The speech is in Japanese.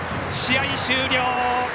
試合終了！